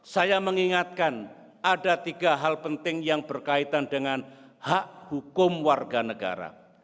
saya mengingatkan ada tiga hal penting yang berkaitan dengan hak hukum warga negara